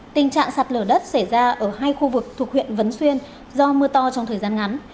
tình trạng sạt lở đất xảy ra ở hai khu vực thuộc huyện vấn xuyên do mưa to trong thời gian ngắn